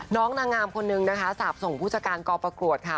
น้องนางงามคนหนึ่งสาปส่งผู้จักรกองประกวดค่ะ